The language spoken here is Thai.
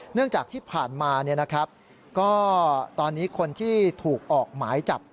เนื่องจากที่ผ่านมาก็ตอนนี้คนที่ถูกออกหมายจับ